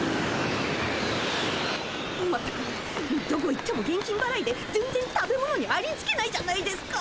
全くどこ行っても現金ばらいで全然食べ物にありつけないじゃないですか。